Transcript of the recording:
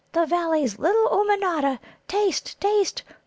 The Valleys, little Ummanodda! Taste, taste!